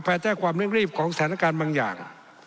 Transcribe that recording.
แทรกความเร่งรีบของสถานการณ์บางอย่าง